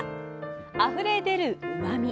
あふれ出るうまみ。